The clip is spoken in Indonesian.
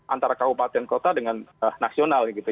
antara kabupaten kota dengan nasional gitu